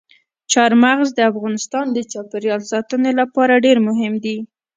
چار مغز د افغانستان د چاپیریال ساتنې لپاره ډېر مهم دي.